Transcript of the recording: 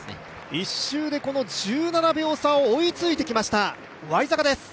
１周で１７秒差を追いついてきましたワイザカです。